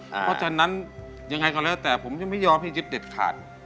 เพราะฉะนั้นยังไงก็แล้วแต่ผมยังไม่ยอมให้ยึดเด็ดขาด